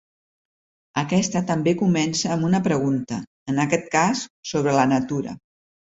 Aquesta també comença amb una pregunta, en aquest cas sobre la natura.